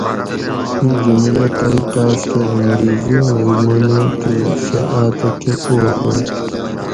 اِیں جُملہ تئ تاۤس کۤہ انگریزی مئ منُو تے سۤہ آۤتہ کۤہ پوہ ہوئ